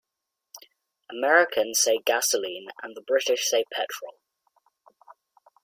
Americans say gasoline and the British say petrol.